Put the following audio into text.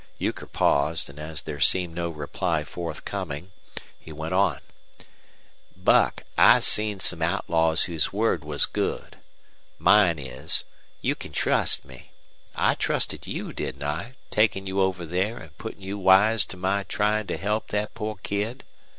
Euchre paused, and, as there seemed no reply forthcoming, he went on: "Buck, I've seen some outlaws whose word was good. Mine is. You can trust me. I trusted you, didn't I, takin' you over there an' puttin' you wise to my tryin' to help thet poor kid?"